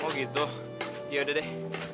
oh gitu yaudah deh